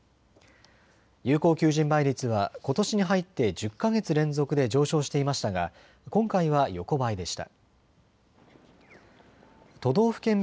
有効求人倍率はことしに入って１０か月連続で上昇していましたが今回は横ばいでした。